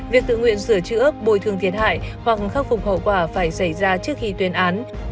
việc tự nguyện sửa chữa bồi thương thiệt hại hoặc khắc phục hậu quả phải xảy ra trước khi tuyên án